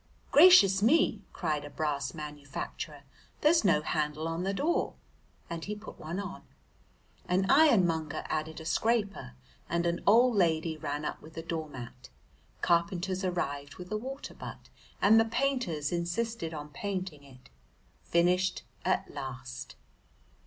"Gracious me," cried a brass manufacturer, "there's no handle on the door," and he put one on. An ironmonger added a scraper and an old lady ran up with a door mat. Carpenters arrived with a water butt, and the painters insisted on painting it. Finished at last!